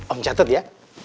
om catet ya